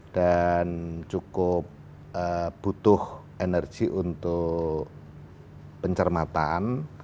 dan cukup butuh energi untuk pencermatan